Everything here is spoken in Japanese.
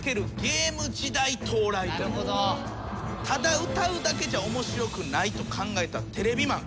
ただ歌うだけじゃ面白くないと考えたテレビマン。